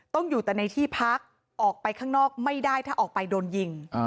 อยู่แต่ในที่พักออกไปข้างนอกไม่ได้ถ้าออกไปโดนยิง